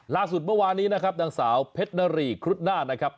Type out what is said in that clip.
เมื่อวานี้นะครับนางสาวเพชรนารีครุฑหน้านะครับ